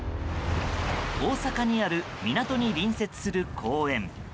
大阪にある港に隣接する公園。